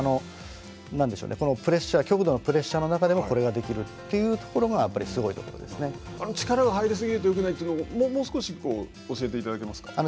このプレッシャー極度のプレッシャーの中でもこれができるというところが力が入り過ぎるとよくないというのもう少し教えていただけますか。